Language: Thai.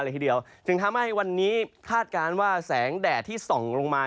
เลยทีเดียวจึงทำให้วันนี้คาดการณ์ว่าแสงแดดที่ส่องลงมา